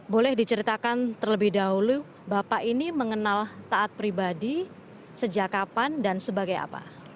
boleh diceritakan terlebih dahulu bapak ini mengenal taat pribadi sejak kapan dan sebagai apa